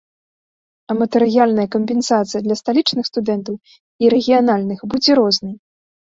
А матэрыяльная кампенсацыя для сталічных студэнтаў і рэгіянальных будзе рознай.